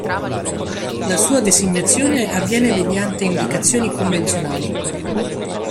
La sua designazione avviene mediante indicazioni convenzionali.